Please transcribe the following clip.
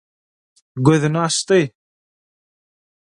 Gözüni açdy.